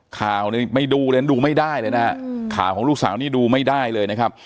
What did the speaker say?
ข่าวนี้ไม่ดูเลยนะดูไม่ได้เลยนะฮะข่าวของลูกสาวนี่ดูไม่ได้เลยนะครับ